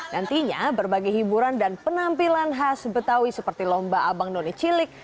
nantinya berbagai hiburan dan penampilan khas betawi seperti lomba abang none cilik